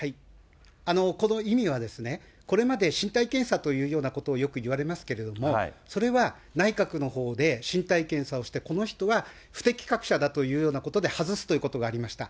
この意味は、これまで身体検査というようなことをよく言われますけれども、それは内閣のほうで身体検査をして、この人は不適格者だというようなことで外すということがありました。